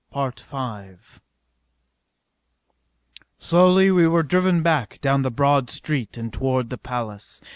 Slowly we were driven back down the broad street and toward the palace.